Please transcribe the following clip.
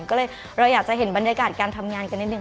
ก็เลยเราอยากจะเห็นบรรยากาศการทำงานกันนิดนึ